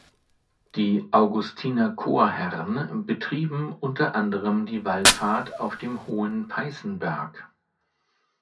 Die Augustinerchorherren betrieben unter anderem die Wallfahrt auf dem Hohen Peißenberg.